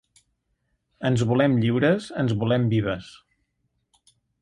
Ens volem lliures, ens volem vives.